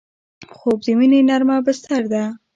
خوب د مینې نرمه بستر ده